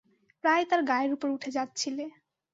প্রায় তার গায়ের উপর উঠে যাচ্ছিলে।